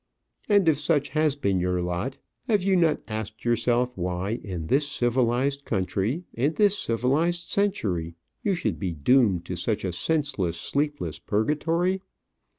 And if such has been your lot, have you not asked yourself why in this civilized country, in this civilized century, you should be doomed to such a senseless, sleepless purgatory?